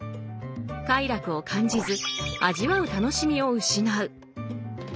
快楽を感じず味わう楽しみを失う。